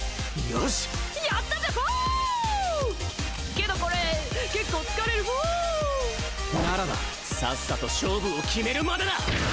けどこれ結構疲れるフォォォォならばさっさと勝負を決めるまでだ！